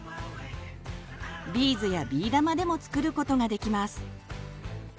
ビーズやビー玉でも作ることができます。